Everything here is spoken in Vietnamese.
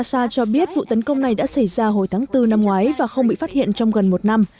nasa cho biết vụ tấn công này đã xảy ra hồi tháng bốn năm ngoái và không bị phát hiện trong gần một năm